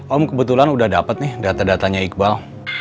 om kebetulan udah dapet nih data datanya iqbal